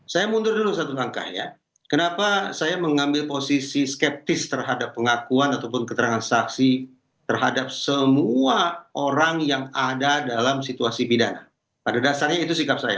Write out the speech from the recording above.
saya mundur dulu satu langkahnya kenapa saya mengambil posisi skeptis terhadap pengakuan ataupun keterangan saksi terhadap semua orang yang ada dalam situasi pidana pada dasarnya itu sikap saya